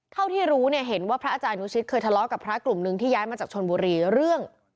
เท่าที่รู้เนี่ยเห็นว่าพระอาจารย์นุชิตเคยทะเลาะกับพระกลุ่มหนึ่งที่ย้ายมาจากชนบุรีเรื่อง